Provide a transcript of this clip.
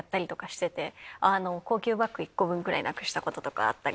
高級バッグ１個分くらいなくしたこととかあったり。